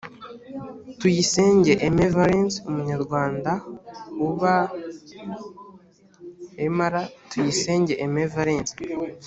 tuyisenge aim valens umunyarwanda uba mr tuyisenge aim valens